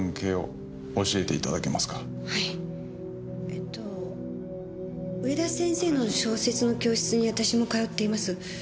えっと上田先生の小説の教室に私も通っています。